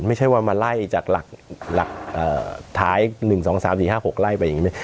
ไม่ใช่ว่ามาไล่จากหลักท้าย๑๒๓๔๕๖ไล่ไปอย่างนี้